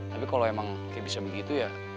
tapi kalau emang kayak bisa begitu ya